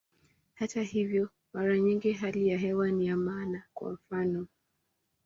Hata hivyo, mara nyingi hali ya hewa ni ya maana, kwa mfano.